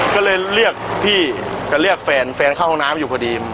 ก็เลยเรียกพี่จะเรียกแฟนแฟนเข้าห้องน้ำอยู่พอดี